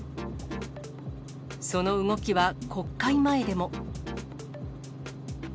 その動きは国会前でも。